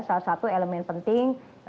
salah satu elemen penting